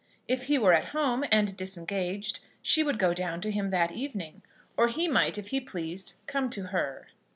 If he were at home and disengaged, she would go down to him that evening, or he might, if he pleased, come to her.